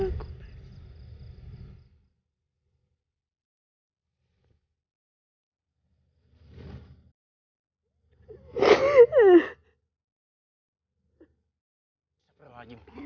adil sama dia